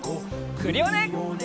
クリオネ！